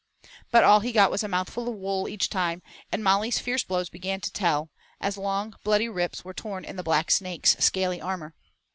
But all he got was a mouthful of wool each time, and Molly's fierce blows began to tell, as long bloody rips were torn in the Black Snake's scaly armor.